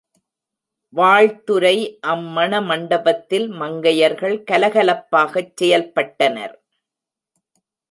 வாழ்த்துரை அம் மண மண்டபத்தில் மங்கையர்கள் கலகலப்பாகச் செயல்பட்டனர்.